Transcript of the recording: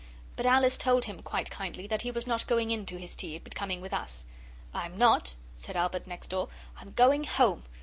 But Alice told him, quite kindly, that he was not going in to his tea, but coming with us. 'I'm not,' said Albert next door; 'I'm going home.